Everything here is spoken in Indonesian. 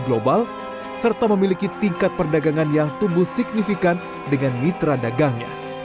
global serta memiliki tingkat perdagangan yang tumbuh signifikan dengan mitra dagangnya